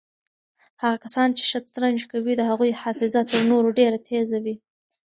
هغه کسان چې شطرنج کوي د هغوی حافظه تر نورو ډېره تېزه وي.